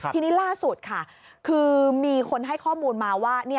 ทีนี้ล่าสุดค่ะคือมีคนให้ข้อมูลมาว่า